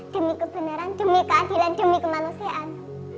demi kebenaran demi keadilan demi kemanusiaan